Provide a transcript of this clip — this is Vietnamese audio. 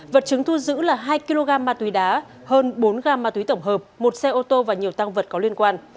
vật chứng thu giữ là hai kg ma túy đá hơn bốn gam ma túy tổng hợp một xe ô tô và nhiều tăng vật có liên quan